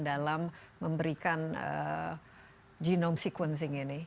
dalam memberikan genome sequencing ini